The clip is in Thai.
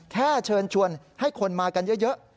เชิญชวนให้คนมากันเยอะ